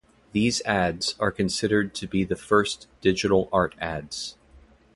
These ads are considered to be the first digital art ads.